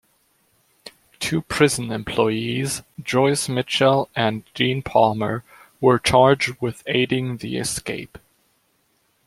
Two prison employees, Joyce Mitchell and Gene Palmer, were charged with aiding the escape.